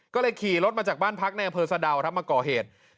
ก็เลยขี่รถมาจากบ้านพักแนวเผอร์สะดาวทำมาก่อเหตุ